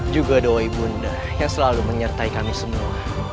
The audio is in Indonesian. juga doa ibunda yang selalu menyertai kami semua